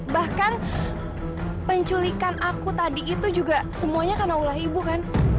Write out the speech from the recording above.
bahkan penculikan aku tadi itu juga semuanya karena ulah ibu kan